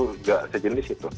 tidak sejenis itu